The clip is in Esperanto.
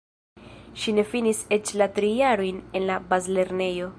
Ŝi ne finis eĉ la tri jarojn en la bazlernejo.